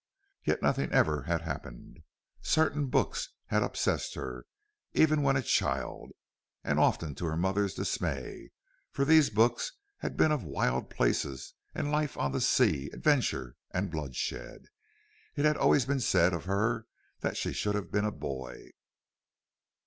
Yet nothing ever had happened. Certain books had obsessed her, even when a child, and often to her mother's dismay; for these books had been of wild places and life on the sea, adventure, and bloodshed. It had always been said of her that she should have been a boy.